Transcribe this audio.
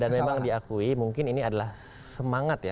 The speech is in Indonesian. dan memang diakui mungkin ini adalah semangat ya